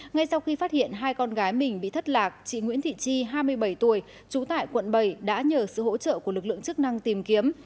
ngay sau khi phát hiện hai con gái mình bị thất lạc chị nguyễn thị chi hai mươi bảy tuổi trú tại quận bảy đã nhờ sự hỗ trợ của lực lượng chức năng tìm kiếm